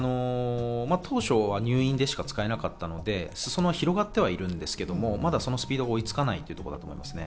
当初は入院でしか使えなかったので裾野が広がってはいるんですけどスピードが追いつかないというこ